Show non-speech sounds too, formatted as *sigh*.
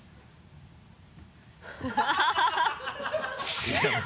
ハハハ *laughs*